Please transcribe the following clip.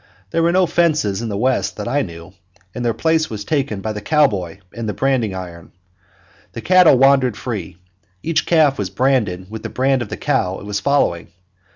There were no fences in the West that I knew, and their place was taken by the cowboy and the branding iron. The cattle wandered free. Each calf was branded with the brand of the cow it was following.